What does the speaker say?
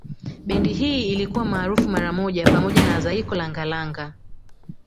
Bendi hii ilikuwa maarufu mara moja pamoja na Zaiko Langa Langa